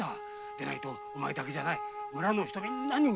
でないとお前だけじゃない村の人みんなに迷惑がかかる。